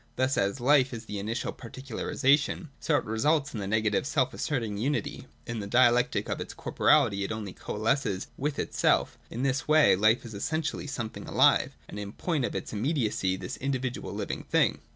Thus as life is the initial particu larisation, so it results in the negative self asserting unity: in the dialectic of its corporeity it only coalesces with 2i6 2i8.J LIFE. 359 itself. In this way life is essentially something alive, and in point of its immediacy this individual living thing.